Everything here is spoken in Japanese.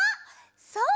そう！